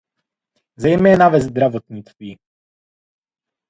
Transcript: Zejména ve zdravotnictví.